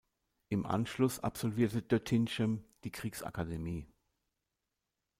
Im Anschluss absolvierte Doetinchem die Kriegsakademie.